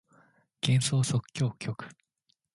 幻想即興曲